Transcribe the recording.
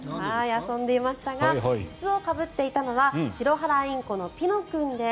遊んでいましたが筒をかぶっていたのはシロハラインコのピノ君です。